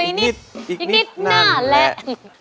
อีกนิดนั่นแหละ